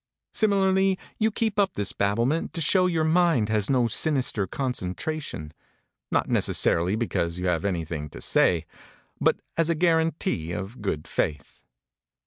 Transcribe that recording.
Similarly, you keep up this babblement to show your mind has no sinister concentration, not necessarily because you have anything to say, but as a guarantee of good faith.